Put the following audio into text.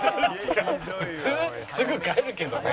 普通すぐ帰るけどね。